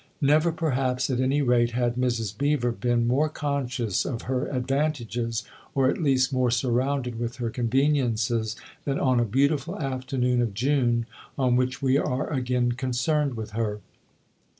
Never, perhaps, at any rate, had Mrs. Beever been more conscious of her advantages, or at least more surrounded with her conveniences, than on a beautiful afternoon of June on which we are again concerned with her.